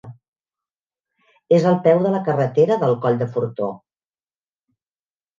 És al peu de la carretera del Coll de Fortó.